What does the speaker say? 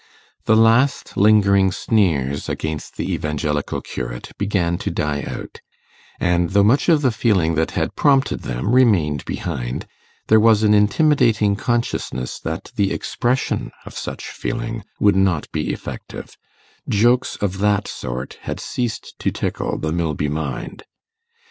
The last lingering sneers against the Evangelical curate began to die out; and though much of the feeling that had prompted them remained behind, there was an intimidating consciousness that the expression of such feeling would not be effective jokes of that sort had ceased to tickle the Milby mind.